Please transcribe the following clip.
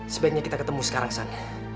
sebaiknya kita ketemu sekarang sana